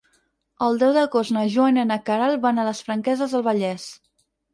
El deu d'agost na Joana i na Queralt van a les Franqueses del Vallès.